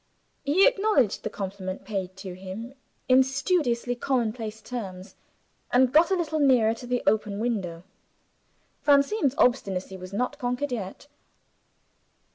He acknowledged the compliment paid to him in studiously commonplace terms, and got a little nearer to the open window. Francine's obstinacy was not conquered yet.